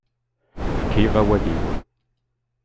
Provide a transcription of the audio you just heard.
Fkiɣ awal-iw.